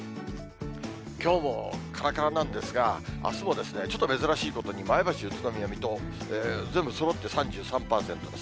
きょうもからからなんですが、あすもちょっと珍しいことに、前橋、宇都宮、水戸、全部そろって３３％です。